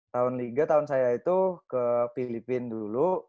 tahun liga tahun saya itu ke filipina dulu